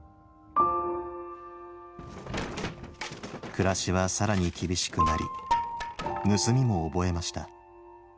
暮らしは更に厳しくなり盗みも覚えました。